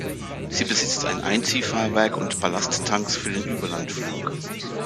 Sie besitzt ein Einziehfahrwerk und Ballasttanks für den Überlandflug.